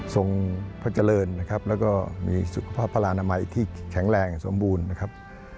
พระเจริญนะครับแล้วก็มีสุขภาพพระรานามัยที่แข็งแรงสมบูรณ์นะครับ